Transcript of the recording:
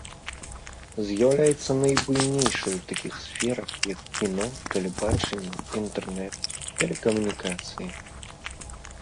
З'яўляецца найбуйнейшай у такіх сферах, як кіно, тэлебачанне, інтэрнэт, тэлекамунікацыі.